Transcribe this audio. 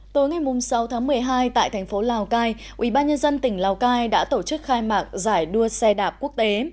tối ngày sáu tháng một mươi hai tại thành phố lào cai ubnd tỉnh lào cai đã tổ chức khai mạc giải đua xe đạp quốc tế